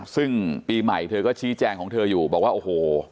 ซึ่งปีใหม่เธอก็ชี้แจงของเธออยู่บอกว่าโอ้โห